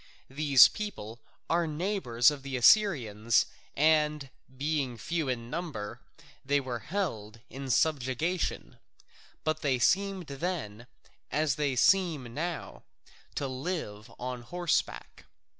These people are neighbours of the Assyrians, and being few in number, they were held in subjection. But they seemed then, as they seem now, to live on horseback.